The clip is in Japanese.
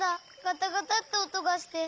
ガタガタっておとがして。